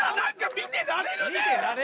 見てられる？